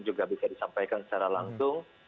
juga bisa disampaikan secara langsung